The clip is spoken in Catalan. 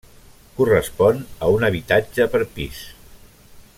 Correspon a un habitatge per pis.